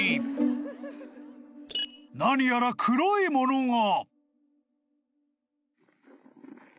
［何やら黒いものが！］